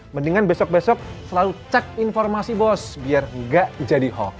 mendingan besok besok selalu cek informasi bos biar gak jadi hoax